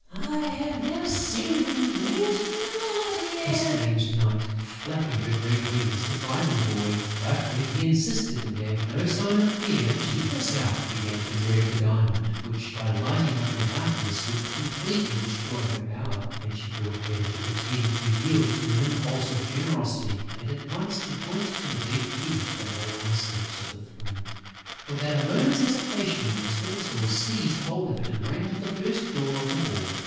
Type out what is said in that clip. "I have never seen him, he is not here!" exclaimed Night, flapping her great wings to frighten the boy. But, when he insisted and gave no sign of fear, she herself began to dread the diamond, which, by lighting up her darkness, would completely destroy her power; and she thought it better to pretend to yield to an impulse of generosity and at once to point to the big key that lay on the steps of the throne. Without a moment's hesitation, Tyltyl seized hold of it and ran to the first door of the hall.